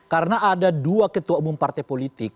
karena ada dua ketua umum partai politik